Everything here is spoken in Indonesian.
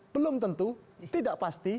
belum tentu tidak pasti